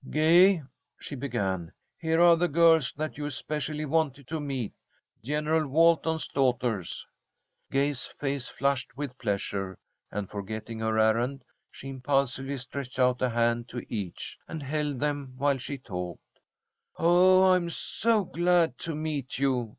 "Gay," she began, "here are the girls that you especially wanted to meet: General Walton's daughters." Gay's face flushed with pleasure, and, forgetting her errand, she impulsively stretched out a hand to each, and held them while she talked. "Oh, I'm so glad to meet you!"